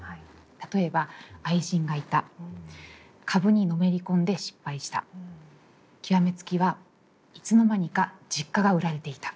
例えば愛人がいた株にのめり込んで失敗した極め付きはいつの間にか実家が売られていた。